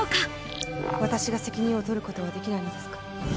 私が責任を取ることはできないのですか。